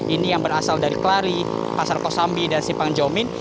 ini yang berasal dari kelari pasar kosambi dan simpang jomin